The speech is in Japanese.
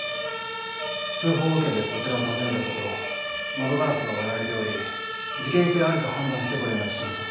通報を受けてこちらを訪ねたところ窓ガラスが割られており事件性ありと判断してご連絡しました。